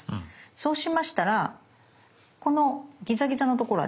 そうしましたらこのギザギザのところありますよね。